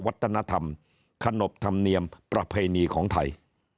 ความเจริญทางศิลปาวัตถนธรรมขนบธรรมเนียมประเพณีของไทย